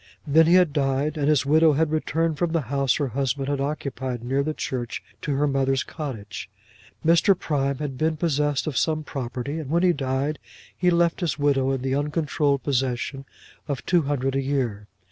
Then he had died, and his widow had returned from the house her husband had occupied near the church to her mother's cottage. Mr. Prime had been possessed of some property, and when he died he left his widow in the uncontrolled possession of two hundred a year.